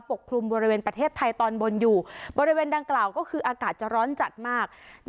กลุ่มบริเวณประเทศไทยตอนบนอยู่บริเวณดังกล่าวก็คืออากาศจะร้อนจัดมาก